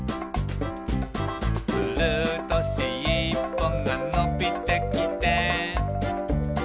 「するとしっぽがのびてきて」